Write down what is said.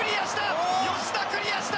吉田クリアした！